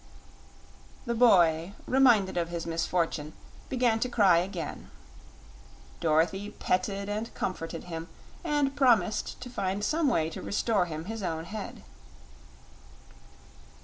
The boy, reminded of his misfortune, began to cry again. Dorothy petted and comforted him and promised to find some way to restore him his own head.